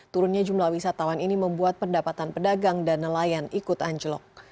turunnya jumlah wisatawan ini membuat pendapatan pedagang dan nelayan ikut anjlok